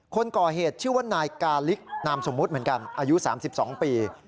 คนก่อเหตุชื่อว่านายกาลิกนามสมมุติเหมือนกันอายุ๓๒ปี